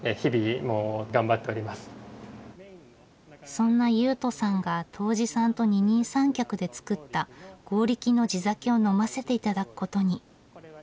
そんな雄翔さんが杜氏さんと二人三脚で造った強力の地酒を呑ませて頂くことに。